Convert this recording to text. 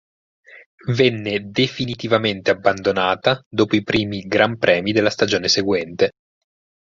Venne definitivamente abbandonata dopo i primi gran premi della stagione seguente.